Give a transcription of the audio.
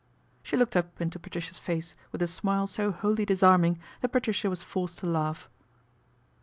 She looked up into Patricia's face with a smile so wholly disarming that Patricia was forced to laugh.